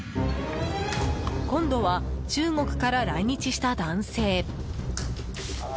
今度は、中国から来日した男性。